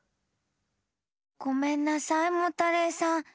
ごめんなさいモタレイさん。